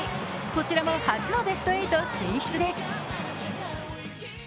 こちらも初のベスト８進出です。